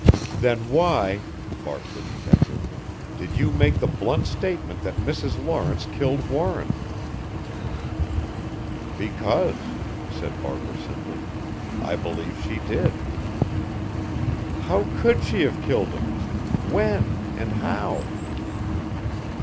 "Then why," barked the detective, "did you make the blunt statement that Mrs. Lawrence killed Warren?" "Because," said Barker simply, "I believe she did." "How could she have killed him? When and how?"